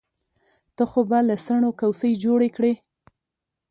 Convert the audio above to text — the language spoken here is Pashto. ته خو به له څڼو کوڅۍ جوړې کړې.